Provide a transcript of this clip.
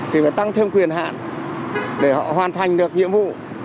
thì phải tăng thêm quyền hạn để họ hoàn thành được nhiệm vụ